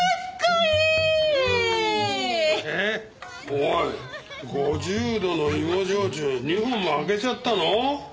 おい５０度の芋焼酎２本も空けちゃったの？